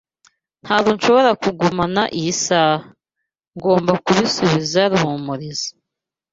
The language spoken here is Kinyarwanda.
Ntabwo nshobora kugumana iyi saha. Ngomba kubisubiza Ruhumuriza.